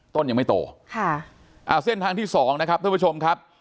ต้นยังไม่โตค่ะอ่าเส้นทางที่สองนะครับท่านผู้ชมครับ